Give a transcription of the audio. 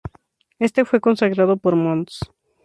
Éste fue consagrado por Mons.